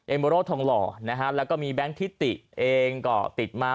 โบโร่ทองหล่อนะฮะแล้วก็มีแบงค์ทิติเองก็ติดมา